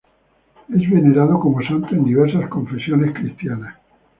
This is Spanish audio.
Es venerado como santo en diversas confesiones cristianas.